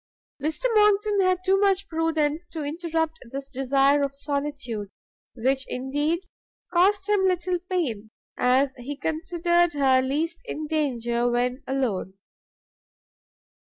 Mr Monckton had too much prudence to interrupt this desire of solitude, which indeed cost him little pain, as he considered her least in danger when alone.